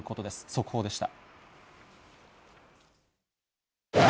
速報でした。